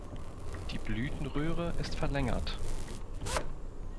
Die Blütenröhre ist verlängert.